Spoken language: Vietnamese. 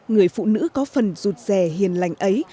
người phụ nữ có phần rụt rè hiền lành ấy